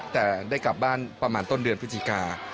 แต่ได้กลับบ้านประมาณต้นเดือนพฤศจิกา